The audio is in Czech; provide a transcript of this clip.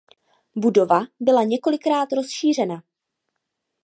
Budova byla několikrát rozšířena.